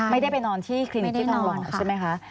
ไม่ได้ไปนอนที่คลินิกที่ทองวันใช่ไหมคะ